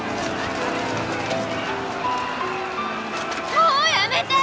もうやめて！